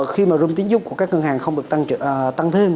khi mà room tiến dụng của các ngân hàng không được tăng thêm